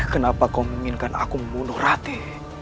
kenapa kau menginginkan aku membunuh rati